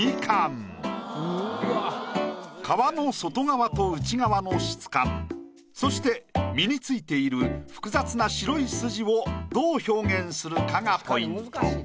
皮の外側と内側の質感そして実に付いている複雑な白い筋をどう表現するかがポイント。